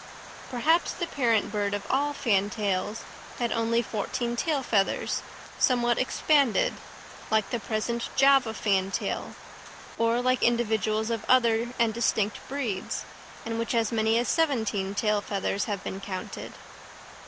Perhaps the parent bird of all fantails had only fourteen tail feathers somewhat expanded, like the present Java fantail, or like individuals of other and distinct breeds, in which as many as seventeen tail feathers have been counted.